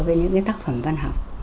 với những cái tác phẩm văn học